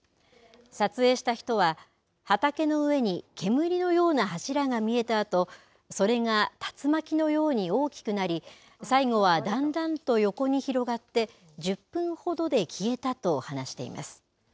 撮影した人は、畑の上に煙のような柱が見えたあと、それが竜巻のように大きくなり、最後はだんだんと横に広がって、１０分ほどで消えたと話しています。